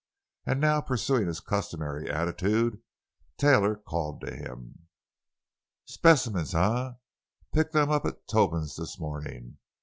And now, pursuing his customary attitude, Taylor called to him: "Specimens, eh! Picked them up at Toban's this morning.